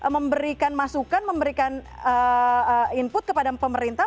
memberikan masukan memberikan input kepada pemerintah